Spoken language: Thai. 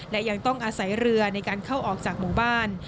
และยังต้องอาศัยเรือในการเข้าออกจากหมู่บ้าน